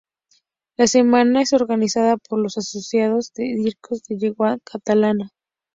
La Semana es organizada por la Associació d’Editors en Llengua Catalana.